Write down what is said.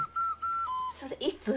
それいつ？